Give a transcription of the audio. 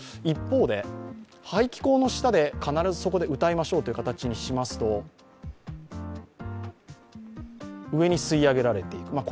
一方で排気口の下で必ずそこで歌いましょうという形にしますと上に吸い上げられていく。